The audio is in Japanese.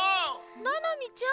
ななみちゃん？